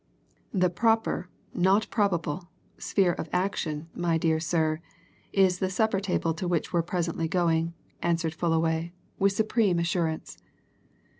"The proper not probable sphere of action, my dear sir, is the supper table to which we're presently going," answered Fullaway, with supreme assurance.